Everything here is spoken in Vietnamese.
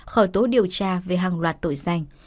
khởi tố điều tra về hàng loạt tội danh